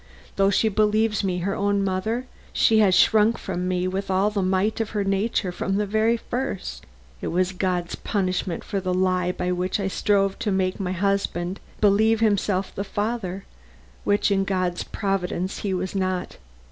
Though she believes me her own mother, she has shrunk from me with all the might of her nature from the very first. It was God's punishment for the lie by which I strove to make my husband believe himself the father which in God's providence he was not.